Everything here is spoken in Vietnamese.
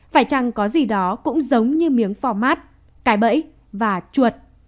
phải chăng có gì đó cũng giống như miếng format cái bẫy và chuột